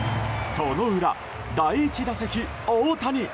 その裏、第１打席、大谷。